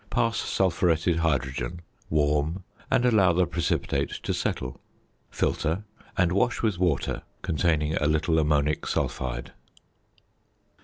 Pass sulphuretted hydrogen, warm, and allow the precipitate to settle. Filter and wash with water containing a little ammonic sulphide.